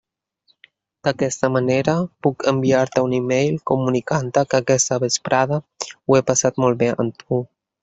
D'aquesta manera puc enviar-te un e-mail comunicant-te que aquesta vesprada ho he passat molt bé amb tu.